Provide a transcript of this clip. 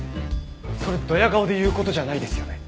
それドヤ顔で言う事じゃないですよね。